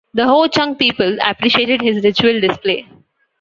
The Ho-Chunk people appreciated his ritual display.